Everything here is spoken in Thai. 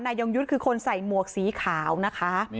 ยงยุทธ์คือคนใส่หมวกสีขาวนะคะ